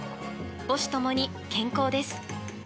母子ともに健康です。